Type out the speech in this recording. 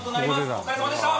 お疲れさまでした。